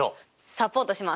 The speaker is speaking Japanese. サポートします。